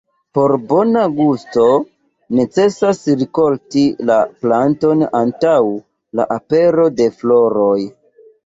Por bona gusto necesas rikolti la planton antaŭ la apero de floroj.